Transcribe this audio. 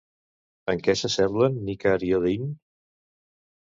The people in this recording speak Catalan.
En què s'assemblen Nickar i Odin?